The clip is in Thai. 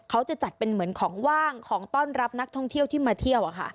เขาจะจัดเป็นเหมือนของว่างของต้อนรับนักท่องเที่ยวที่มาเที่ยว